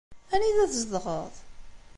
Anida tzedɣeḍ?